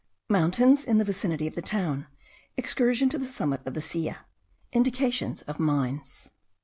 MOUNTAINS IN THE VICINITY OF THE TOWN. EXCURSION TO THE SUMMIT OF THE SILLA. INDICATIONS OF MINES.